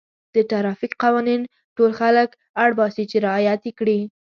د ټرافیک قوانین ټول خلک اړ باسي چې رعایت یې کړي.